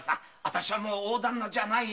私はもう大旦那じゃないよ。